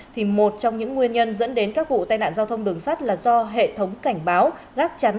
thì một trong những nguyên nhân dẫn đến các vụ tai nạn giao thông đường sắt là do hệ thống cảnh báo gác chắn